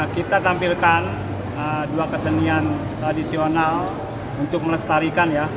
kita tampilkan dua kesenian tradisional untuk melestarikan ya